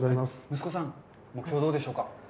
息子さん、目標はどうでしょうか。